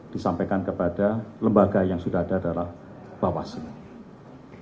disampaikan kepada lembaga yang sudah ada di bawah sini